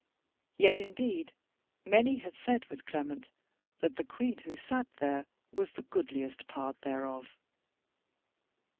Yet indeed many had said with Clement that the Queen who sat there was the goodliest part thereof.